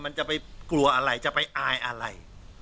มันจะไปกลัวอะไรจะไปอายอะไร